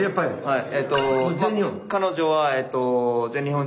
はい。